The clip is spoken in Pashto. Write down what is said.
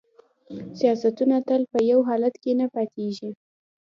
سیاستونه تل په یو حالت کې نه پاتیږي